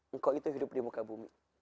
engkau itu hidup di muka bumi